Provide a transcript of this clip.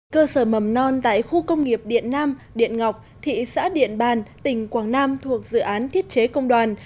cơ sở mầm non tại khu công nghiệp điện nam điện ngọc thị xã điện bàn tỉnh quảng nam thuộc dự án thiết chế công đoàn